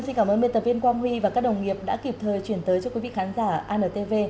xin cảm ơn biên tập viên quang huy và các đồng nghiệp đã kịp thời chuyển tới cho quý vị khán giả antv